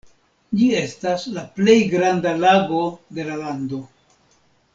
Ĝi estas la plej granda lago de la lando.